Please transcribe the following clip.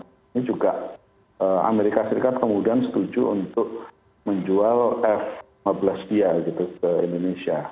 ini juga amerika serikat kemudian setuju untuk menjual f lima belas dia gitu ke indonesia